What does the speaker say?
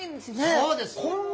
そうです！